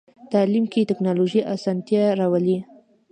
تعلیم کې ټکنالوژي اسانتیاوې راولي.